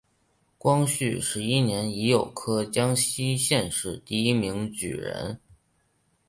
光绪十一年乙酉科江西乡试第一名举人。